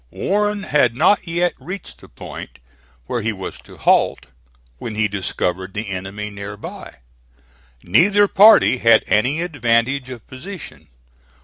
Warren had not yet reached the point where he was to halt, when he discovered the enemy near by. Neither party had any advantage of position.